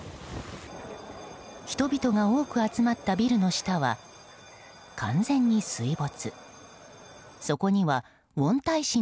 人々が多く集まったビルの下は完全に水没。